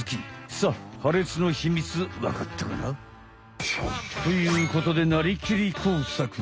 さあはれつのひみつわかったかな？ということで「なりきり！工作！」。